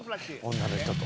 女の人と？